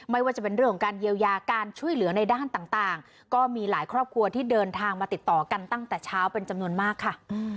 ไม่ว่าจะเป็นเรื่องของการเยียวยาการช่วยเหลือในด้านต่างก็มีหลายครอบครัวที่เดินทางมาติดต่อกันตั้งแต่เช้าเป็นจำนวนมากค่ะ